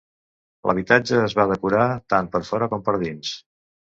L'habitatge es va decorar tant per fora com per dins.